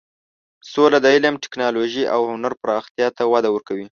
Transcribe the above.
سوله د علم، ټکنالوژۍ او هنر پراختیا ته وده ورکوي.